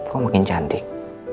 kau makin cantik